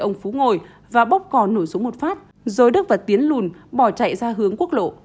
ông phú ngồi và bóc cò nổ súng một phát rồi đức và tiến lùn bỏ chạy ra hướng quốc lộ